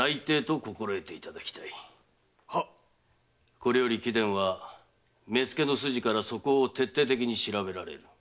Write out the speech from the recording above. これより貴殿は目付の筋から素行を徹底的に調べられる。